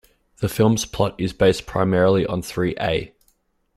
The film's plot is based primarily on three A.